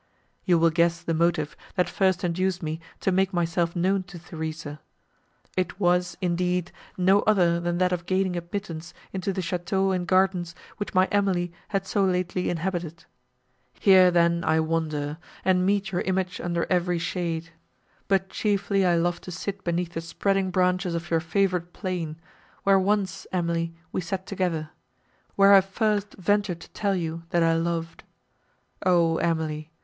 You will guess the motive that first induced me to make myself known to Theresa: it was, indeed, no other than that of gaining admittance into the château and gardens, which my Emily had so lately inhabited: here, then, I wander, and meet your image under every shade: but chiefly I love to sit beneath the spreading branches of your favourite plane, where once, Emily, we sat together; where I first ventured to tell you, that I loved. O Emily!